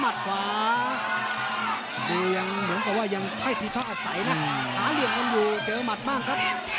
มัดขวาดูยังผมก็ว่ายังค่อยพิทัศน์อาศัยนะหาเรื่องมันอยู่เจอมัดบ้างครับ